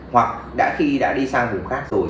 hoặc đã khi đã đi sang vùng khác rồi